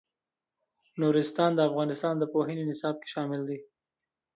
نورستان د افغانستان د پوهنې نصاب کې شامل دي.